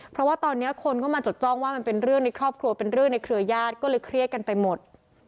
เพราะว่าตอนนี้คนก็มาจดจ้องว่ามันเป็นเรื่องในครอบครัวเป็นเรื่องในเครือญาติก็เลยเครียดกันไปหมด